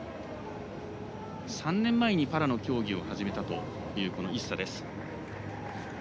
３年前にパラの競技を始めたというイッサです。